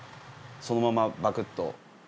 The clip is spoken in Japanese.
そのままバクっと。